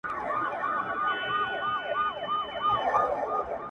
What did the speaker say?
ما وېل سفر کومه ځمه او بیا نه راځمه،